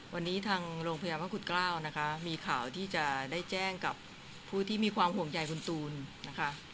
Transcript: วันนี้ทางโรงพยาบาลพระคุณเกล้านะคะมีข่าวที่จะได้แจ้งกับผู้ที่มีความห่วงใยคุณตูนนะคะ